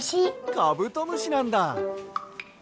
カブトムシなんだ。